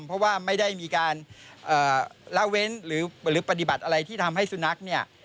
เพราะว่าไม่ได้มีการละเว้นหรือปฏิบัติอะไรที่ทำให้สุนัขเนี่ย